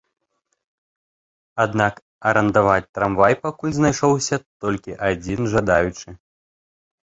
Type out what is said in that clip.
Аднак арандаваць трамвай пакуль знайшоўся толькі адзін жадаючы.